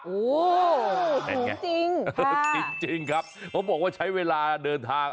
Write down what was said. โอ้โหเป็นไงจริงจริงครับเขาบอกว่าใช้เวลาเดินทาง